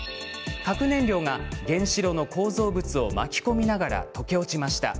核燃料が原子炉の構造物を巻き込みながら溶け落ちました。